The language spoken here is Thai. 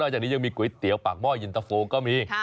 จากนี้ยังมีก๋วยเตี๋ยวปากห้อยินตะโฟก็มี